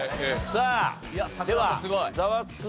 さあではザワつく！